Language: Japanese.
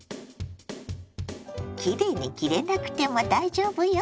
きれいに切れなくても大丈夫よ！